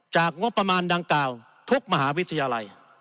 งบประมาณดังกล่าวทุกมหาวิทยาลัย